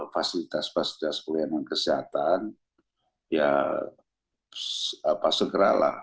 fasilitas fasilitas pelayanan kesehatan ya segeralah